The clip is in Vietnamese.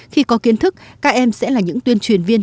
khi có kiến thức các em sẽ là những tuyên truyền viên